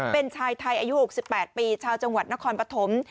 เป็นชายไทยอายุ๖๘ปีชาวจังหวัดนครปฐม